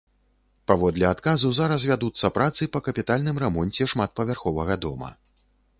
Паводле адказу зараз вядуцца працы па капітальным рамонце шматпавярховага дома.